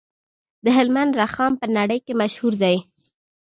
د هلمند رخام په نړۍ کې مشهور دی